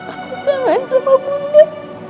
aku kangen sama bunda